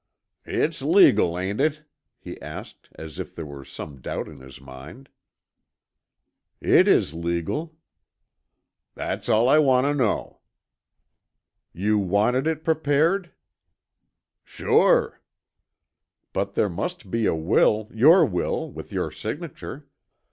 "It's legal, ain't it?" he asked as if there were some doubt in his mind. "It is legal." "That's all I want tuh know." "You wanted it prepared?" "Sure." "But there must be a will, your will, with your signature.